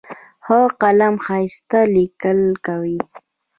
ښه قلم ښایسته لیکل کوي.